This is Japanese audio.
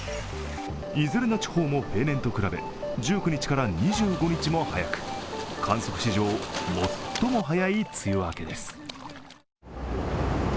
いずれの地方も平年と比べ１９日から２５日も早く観測史上最も早い梅雨明けです。